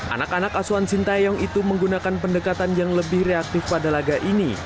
anak anak asuhan sintayong itu menggunakan pendekatan yang lebih reaktif pada laga ini